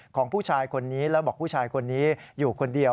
ของผู้ชายคนนี้แล้วบอกผู้ชายคนนี้อยู่คนเดียว